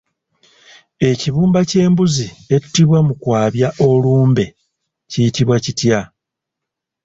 Ekibumba ky'embuzi ettibwa mu kwabya olumbe kiyitibwa kitya?